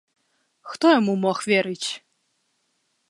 Хто яму мог верыць?